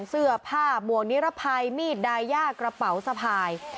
เสื้อผ้าหมวกนิรภัยมีดดายากระเป๋าสะพาย